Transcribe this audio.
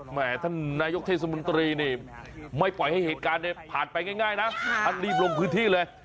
ท่านนายกเทศมนตรีนี่ไม่ปล่อยให้เหตุการณ์ผ่านไปง่ายนะท่านรีบลงพื้นที่เลย